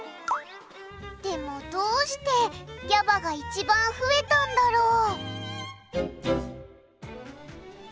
でもどうしてＧＡＢＡが一番増えたんだろう？